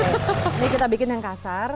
ini kita bikin yang kasar